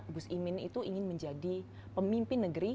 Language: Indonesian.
gus imin itu ingin menjadi pemimpin negeri